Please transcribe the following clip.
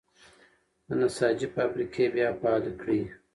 د نساجۍ فابریکې بیا فعالې کړئ.